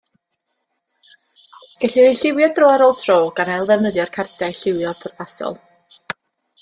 Gellir eu lliwio dro ar ôl tro, gan ailddefnyddio'r cardiau lliwio pwrpasol.